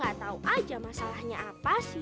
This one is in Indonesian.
ya gak tau aja masalahnya apa sih